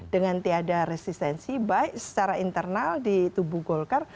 dengan tiada resistensi baik secara internal di tubuh golkar